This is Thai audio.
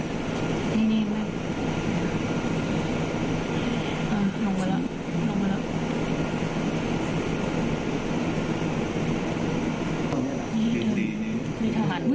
นี่ด้วยอ่ะลงไปแล้วลงไปแล้ว